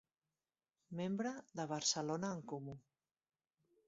Membre de Barcelona en Comú.